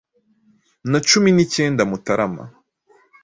na cumi ni kenda Mutarama